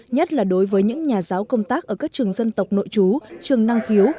nhất là đối với những nhà giáo công tác ở các trường dân tộc nội trú trường năng hiếu